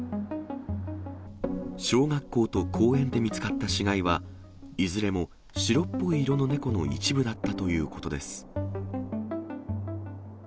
小学校と公園で見つかった死骸は、いずれも白っぽい色の猫の一部だったということです。